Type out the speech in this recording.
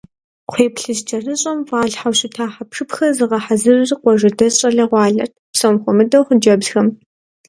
Кхъуейплъыжь кӏэрыщӏэм фӏалъхьэу щыта хьэпшыпхэр зыгъэхьэзырыр къуажэдэс щӏалэгъуалэрат, псом хуэмыдэу хъыджэбзхэм.